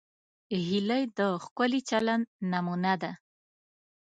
هیلۍ د ښکلي چلند نمونه ده